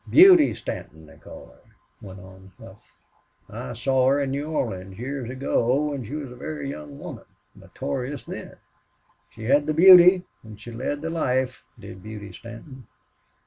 "Beauty Stanton, they call her," went on Hough. "I saw her in New Orleans years ago when she was a very young woman notorious then. She had the beauty and she led the life... did Beauty Stanton."